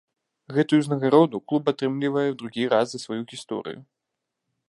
Гэтую ўзнагароду клуб атрымлівае ў другі раз за сваю гісторыю.